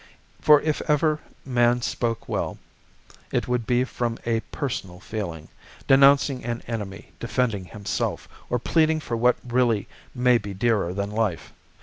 For if ever man spoke well, it would be from a personal feeling, denouncing an enemy, defending himself, or pleading for what really may be dearer than life.